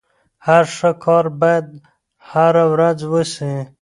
هر ښه کار بايد هره ورځ وسي.